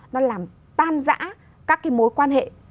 nó làm tan giã các mối quan hệ